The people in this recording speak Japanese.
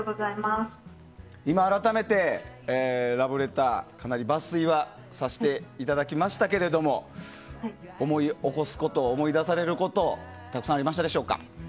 今、改めてラブレターかなり抜粋はさせていただきましたけれども思い起こすこと思い出されることたくさんありましたでしょうか。